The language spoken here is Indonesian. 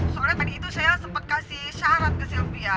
soalnya tadi itu saya sempat kasih syarat ke sylvia